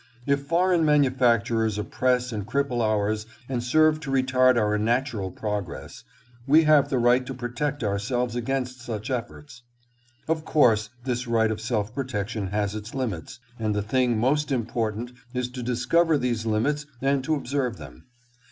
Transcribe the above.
If foreign manufacturers oppress and cripple ours and serve to retard our natural progress, we have the right to protect ourselves against such efforts. Of course this right of self protection has its limits, and the thing 722 THE TARIFF QUESTION. most important is to discover these limits and to observe them.